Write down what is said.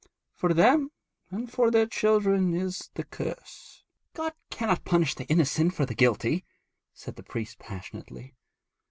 For them and for their children is the curse.' 'God cannot punish the innocent for the guilty,' said the priest passionately.